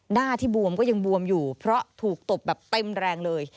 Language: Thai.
หน้าที่บวมก็ยังบวมอยู่เพราะถูกตบแบบเต็มแรงเลย